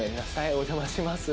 お邪魔します。